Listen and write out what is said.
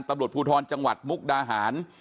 ตำรวจภูทรจังหวัดมุกดาหาร